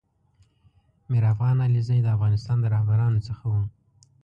میر افغان علیزی دافغانستان د رهبرانو څخه و